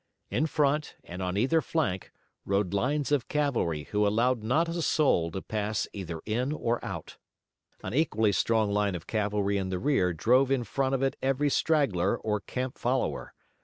In front, and on either flank, rode lines of cavalry who allowed not a soul to pass either in or out. An equally strong line of cavalry in the rear drove in front of it every straggler or camp follower.